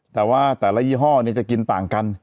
แต่ว่าแต่ละยี่ห้อจะกินต่างกัน